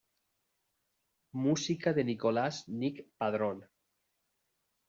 Música de Nicolás 'Nick' Padrón.